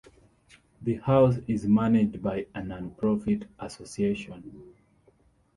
The house is managed by a nonprofit association.